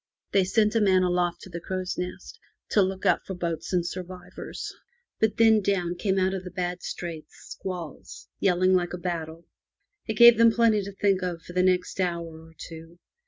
They sent a man aloft to the crow's nest to look out for boats and survivors. And then down came one of the bad Straits squalls, yelling like a battle. It gave them plenty to think of for the next hour or two.